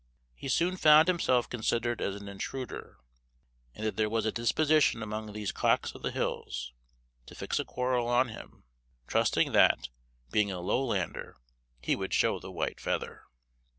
He soon found himself considered as an intruder, and that there was a disposition among these cocks of the hills, to fix a quarrel on him, trusting that, being a Lowlander, he would show the white feather.